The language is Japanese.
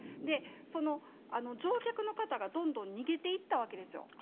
その乗客の方がどんどん逃げていったわけですよ。